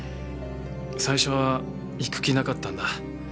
最初は行く気なかったんだ。